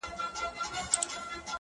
• د ميني درد؛